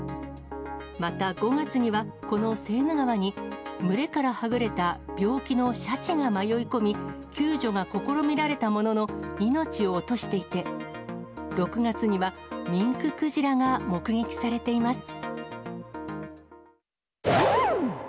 また５月には、このセーヌ川に、群れからはぐれた病気のシャチが迷い込み、救助が試みられたものの、命を落としていて、６月には、ミンククジラが目撃されています。